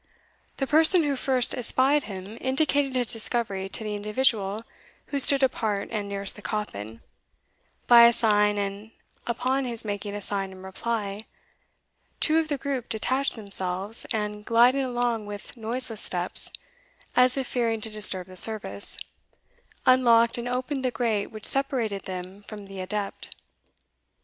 The person who first espied him indicated his discovery to the individual who stood apart and nearest the coffin, by a sign, and upon his making a sign in reply, two of the group detached themselves, and, gliding along with noiseless steps, as if fearing to disturb the service, unlocked and opened the grate which separated them from the adept.